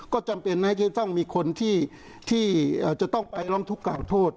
ก็จำเป็นนะที่จะต้องมีคนที่จะต้องไปร้องทุกข่างโทษ